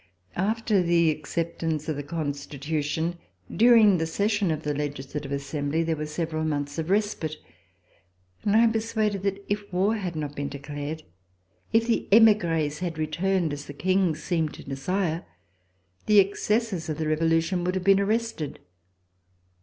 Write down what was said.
After the acceptance of the Constitution, during the session of the Legislative Assembly there were several months of respite, and I am persuaded that if war had not been declared, if the emigres had re turned as the King seemed to desire, the excesses of RESIDENCE IN HOLLAND the Revolution would have been arrested.